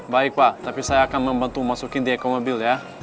baik pak tapi saya akan membantu masukin di eko mobil ya